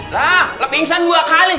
lah lepingsan dua kali